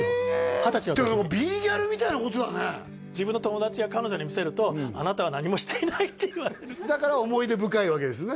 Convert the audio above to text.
二十歳の時に自分の友達や彼女に見せると「あなたは何もしていない」って言われるだから思い出深いわけですね